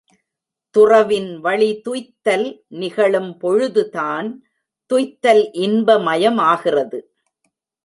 துறவின் வழிதுய்த்தல் நிகழும் பொழுதுதான் துய்த்தல் இன்ப மயமாகிறது.